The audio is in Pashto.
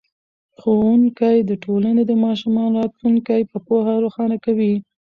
ښوونکی د ټولنې د ماشومانو راتلونکی په پوهه روښانه کوي.